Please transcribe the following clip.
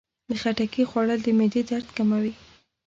د خټکي خوړل د معدې درد کموي.